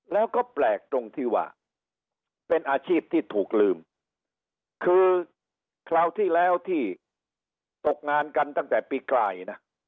แล้วก็แปลกตรงที่ว่าเป็นอาชีพที่ถูกลืมคือคราวที่แล้วที่ตกงานกันตั้งแต่ปีกลายนะ